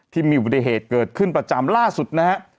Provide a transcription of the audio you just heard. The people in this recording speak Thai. ที่มีบุตรเหตุเกิดขึ้นประจำล่าสุดนะครับ